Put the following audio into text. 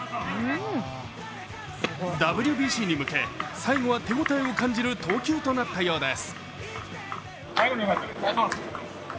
ＷＢＣに向け、最後は手応えを感じる投球となったようです。